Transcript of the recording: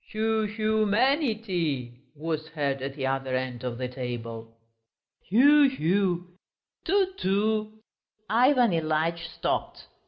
"Hu hu manity ..." was heard at the other end of the table. "Hu hu...." "Tu tu!" Ivan Ilyitch stopped.